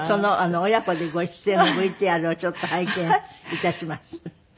親子でご出演のＶＴＲをちょっと拝見いたします。